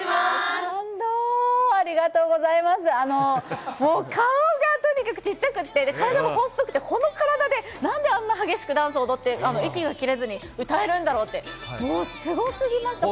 あのぉ、もう顔がとにかくちっちゃくって、体もほっそくて、この体で、なんであんな激しくダンス踊って、息が切れずに歌えるんだろうって、もう、すごすぎました。